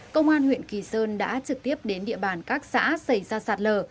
công an huyện kỳ sơn đã trực tiếp đến địa bàn các xã xảy ra sạt lở